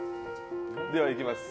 では、いきます。